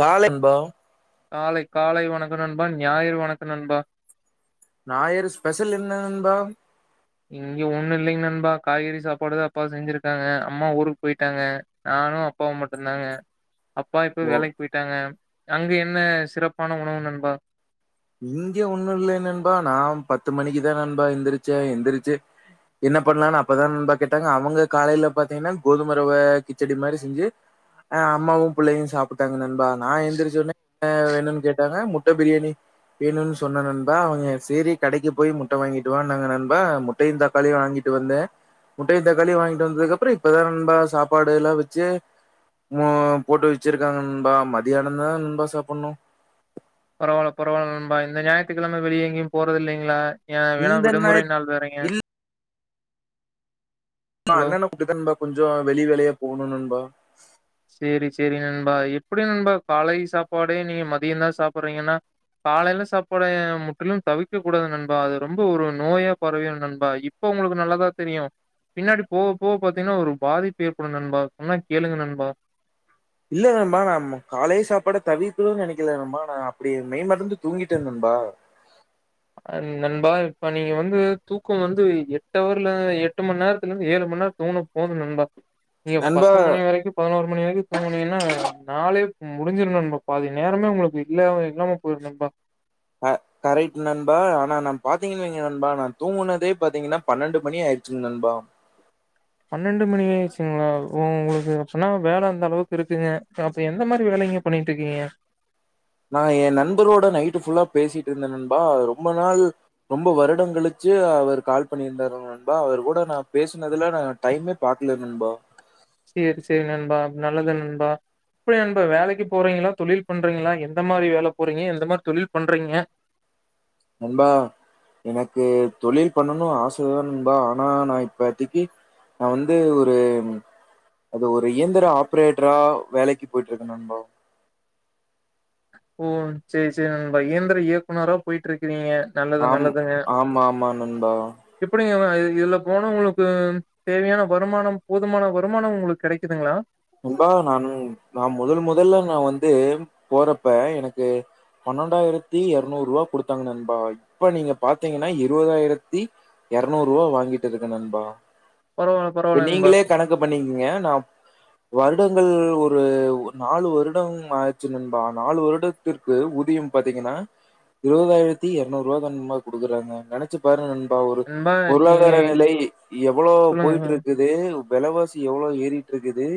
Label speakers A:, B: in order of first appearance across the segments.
A: கால நண்பா
B: காலை காலை வணக்கோ நண்பா ஞாயிறு வணக்கோ நண்பா
A: ஞாயிறு ஸ்பெஷல் என்ன நண்பா
B: இங்க ஒண்ணு இல்லிங் நண்பா காய்கறி சாப்பாடுதா அப்பா செஞ்சிருக்காங்க அம்மா ஊருக்கு போய்ட்டாங்க நானு அப்பாவு மட்டுந்தாங்க அப்பா இப்ப
A: ஓ
B: வேலைக்கு போய்ட்டாங்க அங்கு என்ன சிறப்பான உணவு நண்பா
A: இங்க ஒண்ணு இல்லயே நண்பா நா பத்து மணிக்குதா நண்பா எந்திரிச்சே எந்திரிச்சு என்ன பண்லானு அப்பதா நண்பா கேட்டாங்க அவுங்க காலைல பாத்தீங்கன்னா கோதும ரவ கிச்சடி மாரி செஞ்சு அ அம்மாவு புள்ளையு சாப்புட்டாங்க நண்பா நா எந்திரிச்ச உட்னே அ வேணுன் கேட்டாங்க முட்ட பிரியாணி வேணுன் சொன்ன நண்பா அவுங்க சேரி கடைக்கு போய் முட்ட வாங்கிட்டுவானாங்க நண்பா முட்டையு தக்காளியு வாங்கிட்டு வந்தே முட்டையு தக்காளியு வாங்கிட்டு வந்ததுக்கப்றோ இப்பதா நண்பா சாப்பாடு எல்லா வெச்சு மோ போட்டு வெச்சிருக்காங்க நண்பா மத்தியானந்தா நண்பா சாப்பன்னு
B: பரவால பரவால நண்பா இந்த ஞாய்த்துக்கிழம வெளிய எங்கியு போறது இல்லிங்ளா ஏ வேணா
A: இந்த நேரத்
B: விடுமுறை நாள் வேறீங்க
A: இல்ல நா அண்ணண கூப்ட்தா நண்பா கொஞ்சோ வெளி வேலயா போகுணு நண் பா
B: சேரி சேரி நண்பா எப்டி நண்பா காலை சாப்பாடே நீங்க மதியந்தா சாப்பறீங்கன்னா காலைல சாப்பாட முட்றிலு தவிக்க கூடாது நண்பா அது ரொம்ப ஒரு நோயா பரவிரு நண்பா இப்ப உங்குளுக்கு நல்லாதா தெரியு பின்னாடி போவ் போவ பாத்தீங்கன்னா ஒரு பாதிப்பு ஏற்படு நண்பா சொன்னா கேளுங்க நண்பா
A: இல்ல நண்பா நாம் காலை சாப்பாட தவிக்கணுன் நெனைக்கில நண்பா ஆனா அப்டி மெய் மறந்து தூங்கிட்டே நண்பா
B: அ நண்பா இப்ப நீங்க வந்து தூக்கோ வந்து எட்டு அவர்ல எட்டு மண் நேரத்துலிந்து ஏழு மண் நேர தூங்குணா போது நண்பா நீங்க
A: நண்பா
B: பத்து மணி வரைக்கு பதினோரு மணி வரைக்கு தூங்குனிங்கன்னா நாளேப் முடிஞ்சுரு நண்பா பாதி நேரமே உங்குளுக்கு இல்லாம இல்லாம போயிரு நண்பா
A: அ கரெக்ட் நண்பா ஆனா நா பாத்தீங்கன் வெய்ங்க நண்பா நா தூங்குனதே பாத்தீங்கன்னா பன்னெண்டு மணி ஆயிருச்சுங் நண்பா
B: பன்னெண்டு மணி ஆய்ருச்ங்ளா ஓ உங்குளுக்கு அப்பன்னா வேல அந்த அளவுக்கு இருக்குங்க அப்ப எந்த மாரி வேலிங்க பண்ணிட்டுக்கீங்க
A: நா எ நண்பரோட நைட்டு ஃபுல்லா பேசிட்ருந்தே நண்பா அ ரொம்ப நாள் ரொம்ப வருடங்கழுச்சு அவர் கால் பண்ணிருந்தார் நண்பா அவர் கூட நா பேசுனதுல நா டைமே பாக்ல நண்பா
B: சேரி சேரி நண்பா நல்லது நண்பா இப்ப நண்பா வேலைக்கி போறீங்களா தொழில் பண்றீங்களா எந்த மாரி வேல போறீங்க எந்த மாரி தொழில் பண்றீங்க
A: நண்பா எனக்கு தொழில் பண்ணணு ஆசதா நண்பா ஆனா நா இப்பத்திக்கி நா வந்து ஒரு அது ஒரு இயந்திர ஆப்ரேட்ரா வேலைக்கு போயிட்ருக்கே நண்பா
B: ஓ சேரி சேரி நண்பா இயந்திர இயக்குனரா போய்ட்ருக்றீங்க
A: ஆம் ஆம்மாமா நண்பா
B: அ இதுல்ல போனா உங்குளுக்கு தேவையான வருமானம் போதுமான வருமானம் உங்ளுக்கு கெடைக்குதுங்ளா
A: ண்பா நானு நா மொதல் மொதல்ல நா வந்து போறப்ப எனக்கு பன்னெண்டாய்ரத்தி எரநூற்ருவா குடுத்தாங்க நண்பா இப்ப நீங்க பாத்தீங்கனா இருவதாயிரத்தி எரநூற்ருவா வாங்கிட்டு இருக்கே நண்பா
B: பரவால்ல
A: ப்ப
B: பரவால்ல நண்பா
A: நீங்களே கணக்கு பண்ணிக்ங்க நா வருடங்கள் ஒரு ஒ நாலு வருடம் ஆச்சு நண்பா நாலு வருடத்திற்கு ஊதியம் பாத்தீங்கன்னா இருவதாயிரத்தி எர்நூற்ருவா தா நண்பா குடுக்குறாங்க நெனச்சு பாருங் நண் பா ஒரு
B: நண்பா நீங்க
A: பொருளாதார நிலை எவ்ளோ
B: சொல்லுங்க
A: போய்ட்ருக்குது வெலவாசி எவ்ளோ ஏறிட்டிருக்குது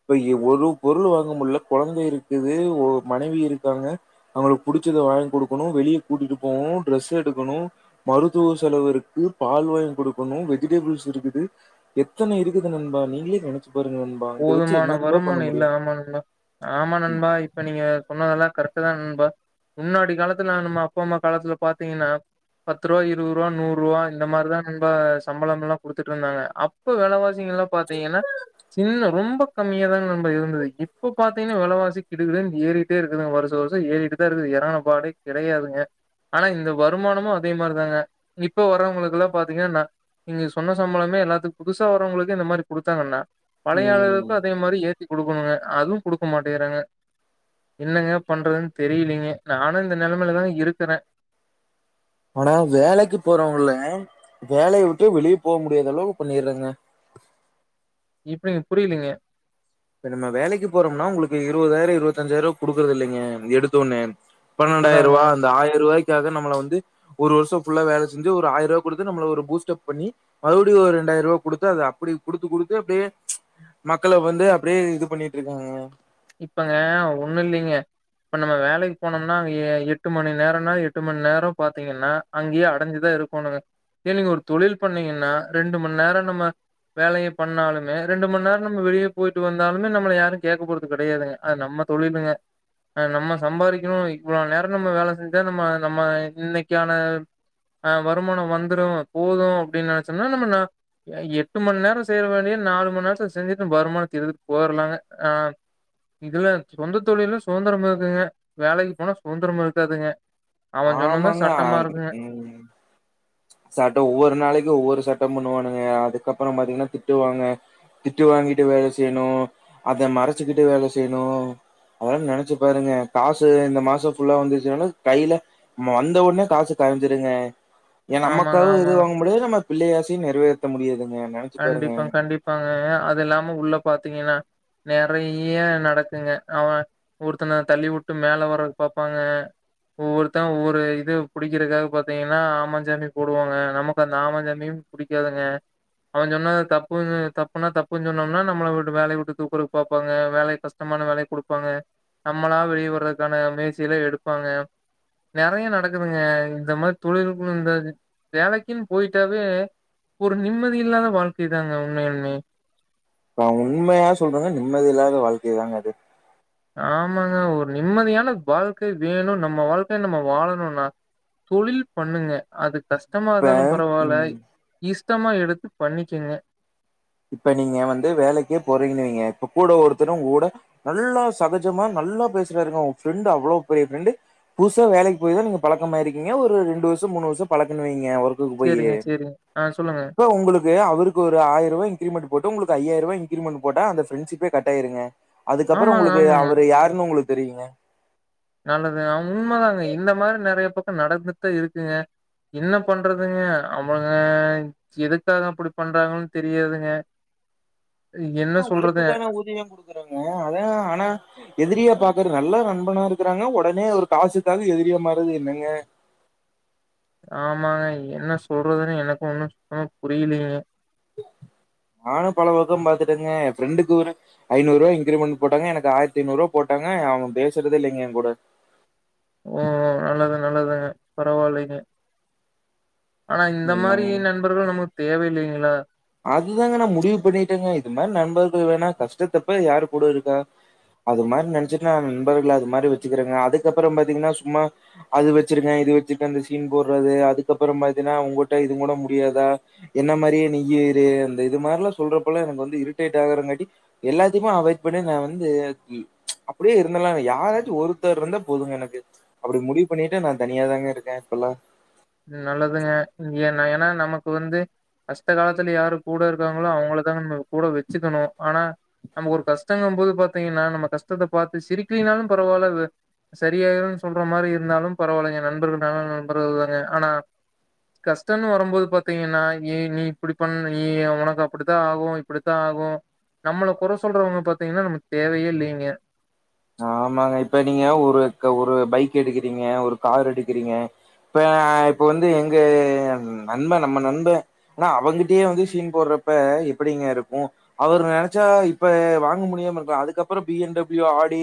A: இப்ப எ ஒரு பொருள் வாங்க முல்ல கொழந்த இருக்குது ஒ மனைவி இருக்காங்க அவங்களுக் புடிச்சத வாங்கி குடுக்கணு வெளிய கூட்டிட்டு போணு ட்ரெஸ் எடுக்கணு மருத்துவ செலவு இருக்கு பால் வாய்ங் குடுக்கணு வெஜிடபிள்ஸ் இருக்குது எத்தன இருக்குது நண்பா நீங்ளே நெனச்சு பார்ங் நண்பா இத வெ
B: துமான வருமான இல்ல ஆமா நண்பா ஆமா நண்பா இப்ப நீங்க சொன்னதெல்லா கரெக்ட் தா நண்பா முன்னாடி காலத்துல நம்ம அப்பா அம்மா காலத்துல பாத்தீங்கன்னா பத்துருவா இருவ்ருவா நூறுவா இந்த மார்தா நண்பா சம்பளமல்லா குடுத்துட்ருந்தாங்க அப்ப வெலவாஸ் சிங்கல்லா பாத்தீங்கன்னா ரொம்ப கம்மியா தாங் நண்பா இருந்துது இப்ப பாத்தீங்னா வெலவாசி கிடுகிடுன் ஏறிட்டே இருக்குதுங் வருஷ வருஷோ ஏறிட்டுதா இருக்குது எறங்குன பாடே கெடையாதுங்க ஆனா இந்த வருமானமு அதே மார்தாங்க இப்ப வர்றவங்களுக்கெல்லா பாத்தீங்கனா ந நீங்க சொன்ன சம்பளமே எல்லாத்துக் புதுசா வரவங்களுக்கே இந்த மாரி குடுத்தாங்கன்னா பழையாளுகளுக்கு
A: ம்.
B: அதே மாரி ஏத்தி குடு குனுங்க அதுவு குடுக்க மாட்டேகிறாங்க என்னங்க பண்றதுன் தெரிலீங்க நானு இந்த நெலமையிலதாங்க இருக்கறே
A: ஆனா வேலைக்கு போறவங்கல்ல வேலயே விட்டே வெளிய போவ் முடியாத அளவுக் பண்ணிர்றாங்க
B: இப்ப எனக் புரிலீங்க
A: இப்ப நம்ம வேலைக்கு போறம்னா உங்குளுக்கு இருவதாயிரோ இருவத்தஞ்சாயிர்வா குடுக்கறது இல்லீங்க எடுத்த ஒன்னே
B: அதாங்க
A: பன்னெண்டாயிர்ருவா இந்த ஆயிர்ருவாய் முடியாத நம்மல வந்து ஒரு வருஷம் ஃபுல்லா வேல செஞ்சி ஒரு ஆயிர ரூவா குடுத்து நம்மள பூஸ்டப் பண்ணி மறுபடியு ஒரு ரெண்டாயிர ரூபா குடுத்து அத அப்புடி குடுத்து குடுத்து அப்டியே மக்கள வந்து அப்டியே இது பண்ணிட்டு இருக்காங்க அவே
B: இப்பங்க ஒன்னு இல்லைங்க இப்ப நம்ம வேலைக்கு போனோம்னா அங்க எ எட்டு மணி நேரம்னா எட்டு மணி நேரம் பாத்தீங்கன்னா அங்கயே அடைஞ்சிதா இருக்கனுங்க இதே நீங்க ஒரு தொழில் பண்ணீங்கன்னா ரெண்டு மணி நேரம் நம்ம வேலைய பண்ணாலுமே ரெண்டு மணி நேரம் நம்ம வெளியே போயிட்டு வந்தாலுமே நம்மள யாரும் கேக்கபோ றது கெடையாதுங்க அது நம்ம தொழிலுங்க நம்ம சம்பாறிக்கணு இவ்ளோ நேரோ நம்ம வேல செஞ்சா நம்ம நம்ம இன்னைக்கான அ வருமானம் வந்துரோ போது அப்டின்னு நெனைச்சோம்னா நம்ம நா எட்டு மணி நேரம் செய்ற வேலைய நாலு மணி நேரத்துல செஞ்சிட்டு நம்ம வருமான எடுத்துட்டு போகலங்க ஆ ம் இதுல்ல சொந்த தொழில்லா சுதந்திரம் இருக்குங்க வேலைக்கு போனா சுதந்திரமா இருக்காதுங்க. அவன் சொன்னது தான்
A: ஆமாங்க அ
B: சட்டமா இருக்குங்க.
A: உம் சட்டம் ஒவ்வொரு நாளைக்கு ஒவ்வொரு சட்டம் பண்ணுவானுங்க அதுக்கப்புறம் பாத்தீங்கன்னா திட்டு வாங்க திட்டு வாங்கிட்டு வேலை செய்யணு அத மறைச்சிக்கிட்டு வேல செய்யணு அதெல்லாம் நெனைச்சி பாருங்க காசு இந்த மாசோ ஃபுல்லா வந்துச்சினாலும் கையில வந்த ஒட்னே காசு காரஞ்சிருதுங்க. ஏன்
B: ஆமாங்க,
A: நமக்காவது எதுவு
B: ஆமாங்க.
A: வாங்க முடியாது நம்ம பிள்ளை ஆசையு நெறைவேத்த முடியாதுங்
B: கண்டிப்பா கண்டிப்பாங்க எங்க அது இல்லாம உள்ள பாத்தீங்கன்னா நெறைய நடக்குங்க அவன் ஒருத்தன தள்ளிவுட்டு மேல வர்றதுக்கு பாப்பாங்க ஒவ்வொருத்தன் ஒவ்வொரு இது புடிக்கறதுக்காக பாத்தீங்கன்னா ஆமாஞ்சாமி போடுவாங்க நமக்கு அந்த ஆமாஞ்சாமியும் புடிக்காதுங்க அவன் சொன்னத தப்புன்னு தப்புனா தப்புன்னு சொன்னோம்னா நம்மளவுட்டு வேலையவுட்டு தூக்குறக்கு பாப்பாங்க வேலைய கஷ்டமான வேலையை குடுப்பாங்க நம்மளா வெளியே வர்றதுக்கான முயற்சிகள எடுப்பாங்க நெறைய நடக்குதுங்க இந்த மாரி தொழிலுக்குன்னு வந்தாவே வேலைக்குன்னு போயிட்டாவே ஒரு நிம்மதி இல்லாத வாழ்க்கை தாங்க உண்மையாலுமே.
A: நா உண்மையா சொல்றேங்க நிம்மதி இல்லாத வாழ்க்கை தாங்க அது.
B: ஆமாங்க ஒரு நிம்மதியான வாழ்க்கை வேணும் நம்ம வாழ்க்கைய நம்ம வாழணும்னா தொழில் பண்ணுங்க அது கஷ்ட் கஷ்டமா
A: இப்ப
B: இருந்தாலும் பரவாயில்ல
A: ம்
B: இஸி சுத்தமா எடுத்து பண்ணிக்கங்க.
A: இப்ப நீங்க வந்து வேலைக்கே போறிங்கன்னுவைங்க இப்ப கூட ஒருத்தரும் உங்க கூட நல்லா சகஜமா நல்லா பேசுறாருங்க உங்க ஃப்ரெண்டு் அவ்ளோ பெரிய ஃப்ரெண்டு புதுசா வேலைக்கு போய் தா நீங்க பழக்கமாயிருக்கீங்க ஒரு ரெண்டு வருஷம் மூணு வருஷம் பழக்கன்னுவைங்க. ஊருக்கு போயி
B: சரிங்க, சரிங்க. ஆ சொல்லுங்க.
A: கா உங்களுக்கு அவருக்கு ஒரு ஆயிர ரூபாய் இன்கிரிமெண்ட்டு போட்டு உங்களுக்கு ஐயாயிர ரூபா இ்ன்கிரிமென்ட் போட்ட அந்த ஃப்ரென்ஷிப்பே கட்டாயிருங்க. அதுக்கப்புறம்
B: ஆமாங்க,
A: உங்களுக்கு
B: ஆமாங்க.
A: அவரு யாருன்னு உங்களுக்கு தெரியுங்க
B: நல்லதுங்க உண்மதாங்க இந்த மாரி நெறைய பக்கம் நடந்துட்தா இருக்குங்க என்ன பண்றதுங்க அவங்க எதுக்காக அப்படி பண்றாங்குன்னு தெரியாதுங்க. என்ன சொல்றது?
A: உழைப்புக்கான ஊதியம் குடுக்குறாங்க அதான் ஆனா எதிரியா பாக்குற நல்லா நண்பனா இருக்குறாங்க உடனே ஒரு காசுக்காக எதிரிய மார்றது என்னங்க
B: ஆமாங்க என்ன சொல்றதுன்னே எனக்கு ஒன்னும் சுத்தமா புரியலைங்க.
A: நானும் பல பக்கம் பாத்துட்டேங்க என் ஃப்ரெண்டுக்கு ஒரு ஐநூறு ரூபா இன்கிரீமெண்ட் போட்டாங்க எனக்கு ஆயிரத்தி ஐந்நூறு ரூபா போட்டாங்க அவன் பேசறதே இல்லைங்க என் கூட
B: ஓ! நல்லது, நல்லதுங்க. பரவாயில்லைங்க. ஆனா இந்த மாரி
A: என்னங்க?
B: நண்பர்களு நமக்கு தேவை இல்லைங்களா
A: அதுதாங்க நான் முடிவு பண்ணிட்டேங்க இது மாரி நண்பர்கள் வேணா கஷ்டத்தப்ப யாரு கூட இருக்கா அது மாரி நெனைச்சிட்டு நா நண்பர்கள அது மாரி வெச்சுக்கிறேங்க அதுக்கப்புறம் பாத்தீங்கன்னா சும்மா அது வெச்சிருக்கேன் இது வெச்சிருகே அந்த சீன் போட்றது அதுக்கப்புறம் பாத்தீனா உங்கிட்ட இது கூட முடியாதா என்ன மாரியே நீயி தே அந்த இது மாரில்லா சொல்றப்பல்லா எனக்கு வந்து இரிட்டேட் ஆகுறங்காட்டி எல்லாத்தையுமே அவாய்ட் பண்ணி நான் வந்து அப்படியே இருந்தலாம். யாராச்சும் ஒருத்தர் இருந்தா போதுங்க எனக்கு அப்படி முடிவு பண்ணிட்டு நான் தனியாதாங்க இருக்கேன் இப்பல்லாம்.
B: ம் நல்லதுங்க ஏனா ஏன்னா நமக்கு வந்து கஷ்ட காலத்துல யாரு கூட இருக்காங்களோ அவங்கள தாங்க நாம்ம கூட வெச்சிக்கணு ஆனா நமக்கு ஒரு கஷ்டங்குப் போது பாத்தீங்கன்னா நம்ம கஷ்டத்தை பாத்து சிரிக்கிலனாலும் பரவாயில்ல சரியாயிடும்னு சொல்ற மாரி இருந்தாலும் பரவாயில்லங்க நண்பர்கள்னாலே நண்பர்கள் தாங்க ஆனா கஷ்டோன்னு வரும்போது பாத்தீங்கன்னா ஏ நீ இப்படி பண்ண நீ உனக்கு அப்படித்தா ஆகும் இப்படித்தா ஆகும் நம்பள குறை சொல்றவங்க பாத்தீங்கன்னா நமக்கு தேவையே இல்லங்க
A: ஆமாங்க இப்ப நீங்க ஒரு ஒரு பைக் எடுக்கிறீங்க ஒரு கார் எடுக்கிறீங்க இப்ப இப்ப வந்து எங்க நண்பே நம்ப நண்பே நா அவேங்கிட்டயே வந்து சீன் போட்றப்ப எப்படிங்க இருக்கும் அவரு நெனைச்சா இப்ப வாங்க முடியாம இருக்கலா அதுக்கப்புறம் B M W RT D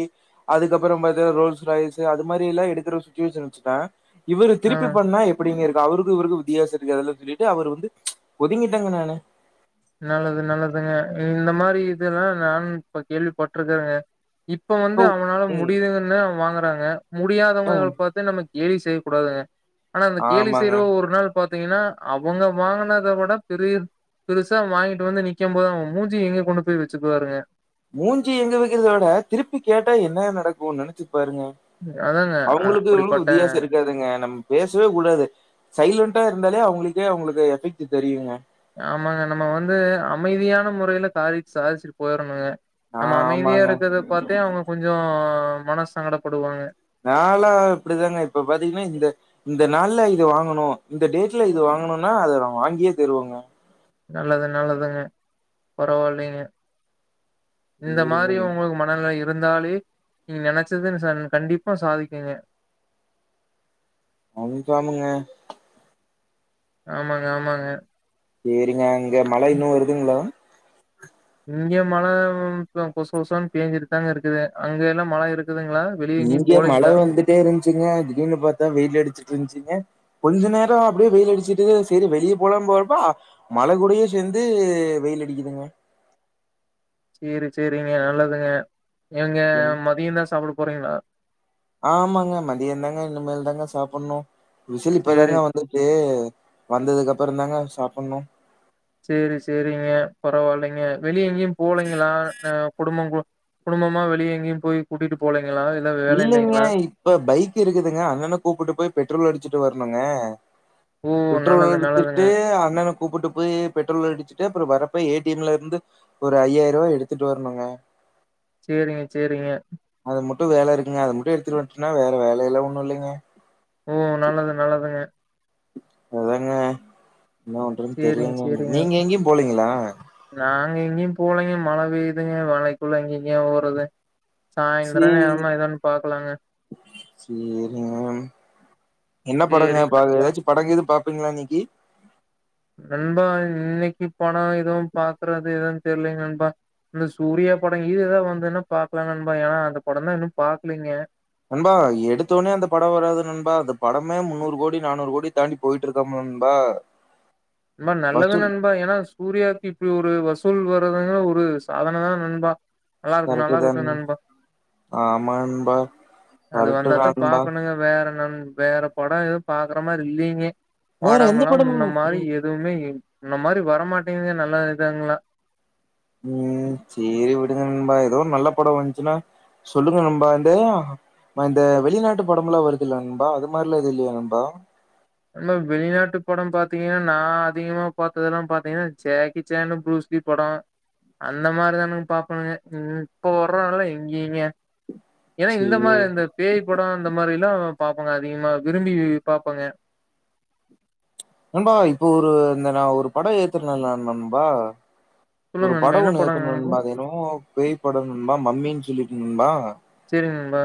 A: அதுக்கப்புறம் பாத்தா ரோல்ஸ்ராய்ஸ் அது மாதி எல்லா எடுக்குற ஸ்விச்சுவேஷன் வச்சினா இவரு
B: ஆ
A: திருப்பி பண்ணா எப்டிங்க இருக்கும் அவருக்கு இவருக்கு வித்தியாசம் இது அதெல்லா சொல்லிட்டு அவரு வந்து ஒதுங்கிட்டங்க நானு
B: நல்லது நல்லதுங்க இந்த மாரி இதெல்லா நானு இப்ப கேள்விப்பட்டு இருக்குறேங்க. இப்ப வந்து
A: இப்போ
B: அவனால
A: ம்
B: முடியுதுங்றதுனால அவே வாங்க சொல்றாங்க
A: அ
B: முடியாதவங்கள் பாத்து நம்ம கேலி செய்ய கூடாதுங்க ஆனா அந்த கேலி
A: ஆமாங்க
B: செய்றோ ஒரு நாள் பாத்தீங்கன்னா அவங்க வாங்குனத விட பெரிய பெருசு சா வாங்கிட்டு வந்து நிக்கும் போது அவு மூஞ்சி எங்க கொண்டு போய் வச்சிக்குவாருங்க
A: மூஞ்சி எங்க வைக்குறதோவிட திருப்பி கேட்டா என்ன நடக்கும்னு நினைச்சி பாருங்க
B: அதாங்க
A: அவங்களுக்கு இவங்களக்கும்
B: அப்படிப்பட்ட
A: வித்தியாசம் இருக்காதுங்க நம்ப பேசவே கூடாது சைலன் ட்டா இருந்தாலே அவங்களுக்கே அவங்களுக்கு எஃபெக்ட் தெரியுங்க
B: ஆமாங்க நம்ம வந்து அமைதியான முறையில காரி சாதிச்சுட்டு போயிறணுங்க நம்ம அமைதியா
A: ஆமாங்க.
B: இருக்கறத பாத்தே அவுங்க கொஞ்சோ அ மனசு சங்கடப்படுவாங்க
A: நாளா இப்படிதாங்க இப்ப பாத்தீங்கன்னா இந்த இந்த நாள்ல இது வாங்கணும் இந்த டேட்ல இது வாங்கணும்னா அதை வாங்கியே திருவேங்க
B: நல்லது நல்லதுங்க பரவாயில்லைங்க இந்த
A: சரிங்க.
B: மாதிரியும் உங்களுக்கு மனநிலை இருந்தாலே நீங்க நெனைச்சதுன்னு சன் கண்டிப்பா சாதிக்குங்க
A: அவுங்க ஆலுங்க
B: ஆமாங்க ஆமாங்க
A: சேரிங்க இங்க மழை இன்னும் வருதுங்கள
B: இங்க மழை இப்ப கொச கொசனு பேஞ்சிட்டு தாங்க இருக்குது அங்க எல்லா மழை இருக்
A: இங்க மழை வந்துட்டே இருந்துச்சுங்க திடீருனு பார்த்தா வெயில் அடிச்சுட்டு இருந்துச்சுங்க கொஞ்ச நேரம் அப்படியே வெயில் அடிச்சுட்டு சரி வெளியே போல போறப்பா மழை கூடே சேர்ந்து வெயில் அடிக்குதுங்க
B: சேரி சேரிங்க நல்லதுங்க ஏங்க
A: என்
B: மதியம் தா சாப்ட போறீங்களா
A: ஆமாங்க மதியம் தாங்க இனிமேல் தாங்க சாப்பணும் விசில்
B: சேரி,
A: இப்பதாங்க வந்துருக்கு வந்ததுக்கு அப் பறம்தாங்க சாப்பணும்
B: சேரி சேரிங்க பரவாயில்லைங்க வெளிய எங்கேயும் போலங்களா அ குடும்ப கு குடும்பமா வெளிய எங்கயும் போய் கூட்டிட்டு போல
A: இல்லைங்க இப்ப பைக் இருக்குதுங்க அண்ணன கூப்புட்டு போய் பெட்ரோல் அடிச்சு ட்டு வரணுங்க
B: ஓ! நல்லது,
A: பெட்ரோல்
B: நல்லதுங்க.
A: எத்துட்டு அண்ணன கூப்புட்டு போய் பெட்ரோல் அடிச்சுட்டு அப்புறம் வரப்ப ஏ டி எம் ல இருந்து ஒரு ஐயாயிரம் ரூவா எடுத்துட்டு வரணுங்க
B: செரிங்க செரிங்க
A: ட்டு வேல இருக்குங்க அதை மட்டு எடுத்துட்டு வந்துட்டுன்னா வேற வேலைல்லா ஒன்னும் இல்லைங்க
B: ஓ நல்லது நல்லதுங்க
A: அதாங்க என்ன ஒன்றனு
B: சேரிங்க,
A: தெரியலங்க
B: சேரிங்க.
A: நீங்க எங்கயு போலீங்களா
B: நாங்க எங்கேயும் போலைங்க மழை பெயுங்க மலைக்குள்ள ஏங்க எங்கயே ஒறது சாய்ந்திரம்
A: சேரி,
B: நேரமா இதொ ஒன்னு பாக்கலாங்க
A: சேரிங்க. என்ன படங்க
B: சேரிங்க
A: பாக்ற
B: நண்பா.
A: ஏதாச்சு படங்கெது பாப் ப்பீங்களா நீக்கி
B: நண்பா இன்னைக்கு படோ எதுவும் பாக்குறது எதுவு தெரியலங்க நண்பா இந்த சூர்யா படோ இதெது வந்துனா பாக்கலாம்ங்க நண்பா ஏன்னா அந்த படம் தா இன்னு பாக்கலீங்க
A: நண்பா எடுத்தோடனே அந்த படம் வராது நண்பா அந்த படமே முன்னூறு கோடி நானூறு கோடி தாண்டி போயிட்டு இருக்கலாமெ நண்பா
B: ண்பா நல்லது நு
A: வசூல்
B: நண்பா ஏன்னா சூர்யாக்கு இப்டி ஒரு வசுல் வசூல் வர்றதே ஒரு சாதனதா நண்பா நல்லா இருக்கு
A: கரட்டு
B: நல்லா
A: தான்
B: இருக்கட்டு நண்பா
A: ஆமாண்பா
B: அது வந்தாத்தா
A: கரட்டுதாண்பா
B: பாக்கணுங்க வேற நண் வேற படோ எதுவு பாக்குற மாரி இல்லீங்க
A: வேற எந்த படம்மு
B: ன்மே முன்ன மாதிரி வரமாட்டேங்கங்க நல்லா இயிதாங்களா
A: உம் சேரி விடுங்க நண்பா ஏதோ நல்ல படோ வந்துச்சுன்னா சொல்லுங்க நண்பா இந்த அந்த வெளிநாட்டு படோம் எல்லா வருதுல்ல நண்பா அது மாரியலா எது இல்லயா நண்பா
B: நம்ம வெளிநாட்டு படோம் பாத்தீங்கன்னா நா அதிகமா பார்த்தெல்லா பாத்தீங்கன்னா ஜேக்கி சேண்ட பரூஸ்லி படோ அந்த மாதிரிதான் பாப்பணுங்க இப்ப வர்றோதலா எங்கிங்க ஏன்னா இந்த
A: சேரி.
B: மாரி இந்த பேய் படோ அந்த மாதிரி எலா பாப்போங்க அதிகமா விரும்பி பாப்போங்க
A: நண்பா இப்ப ஒரு இந்த நா ஒரு படோம் ஏத்துனனுண்பா ஒரு
B: சொல்லுங்க நண்பா என்ன
A: படோன்னு
B: படங்க
A: ஏத்தணுண்பா என்னமோ பேய் படணும்பா மம்மின்னு சொல்லி ம்பா
B: செரி நண்ம்பா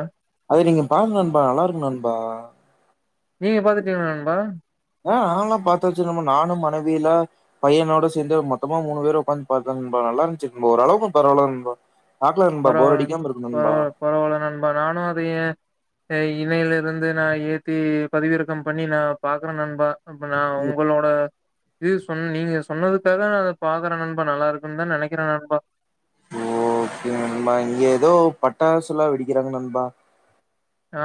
A: செரி நீங்க பாருங்க நண்பா நல்லா இருக்கு நண்பா
B: நீங்க பாத்துட்டீங்களா நண்பா
A: ஆஹ் நா ல்லா பாத்தச்சு நம நானும் மனைவில பையனோட சேந்து மொத்தமா மூணு பேரும் உட்காந்து பாத்தோ நல்லா இருந்துச்சு நண் ஓரளவுக்கு பரவால ண்பா
B: பரவல பரவ பரவல நண்பா நானு அது ஏன் ந்த இணையில இருந்து நா ஏத்தி பதிவிறக்கம் பண்ணி நான் பாக்குறேன் நண்பா அப்பனா
A: ம்.
B: உங்களோட இது சொன்ன நீங்க சொன்னதுக்காக நா அத பாக்குறே நண்பா நல்லா இருக்குன்னு தான் நெனக்கிறே நண்பா
A: ஓகே நண்பா இங்க ஏதோ பட்டாசுல்லா வெடிக்கிறாங்க நண்பா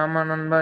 B: ஆமா நண்பா